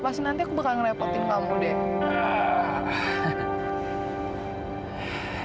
pasti nanti aku bakal ngerepotin kamu deh